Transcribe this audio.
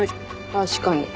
確かに。